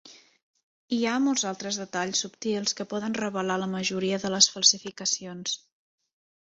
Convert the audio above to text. Hi ha molts altres detalls subtils que poden revelar la majoria de les falsificacions.